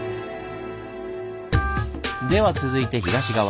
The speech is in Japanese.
では続いて東側。